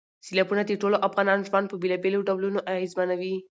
سیلابونه د ټولو افغانانو ژوند په بېلابېلو ډولونو اغېزمنوي.